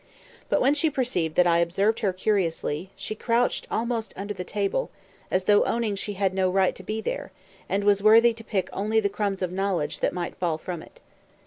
But when she perceived that I observed her curiously, she crouched almost under the table, as though owning she had no right to be there, and was worthy to pick only the crumbs of knowledge that might fall from it.